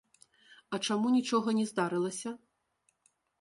А чаму нічога не здарылася?